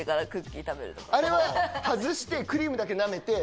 あれは外してクリームだけなめて。